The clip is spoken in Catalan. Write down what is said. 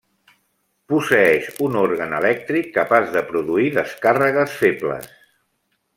Posseeix un òrgan elèctric capaç de produir descàrregues febles.